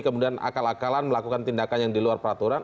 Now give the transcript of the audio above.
kemudian akal akalan melakukan tindakan yang diluar peraturan